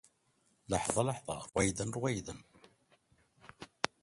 لحظها لحظها رويدا رويدا